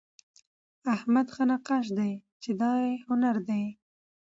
احمد ښه نقاش دئ، چي دا هنر دئ.